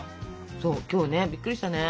そう今日ねびっくりしたね。